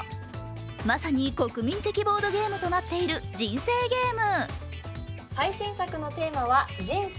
まさに国民的ボードゲームとなっている「人生ゲーム」。